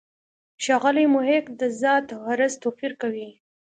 ښاغلی محق د «ذات» او «عرض» توپیر کوي.